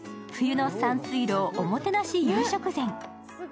冬の山翠楼おもてなし夕食膳。